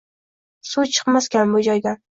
Suv chiqmaskan bu joydan